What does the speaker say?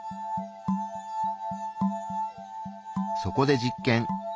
そこで実験。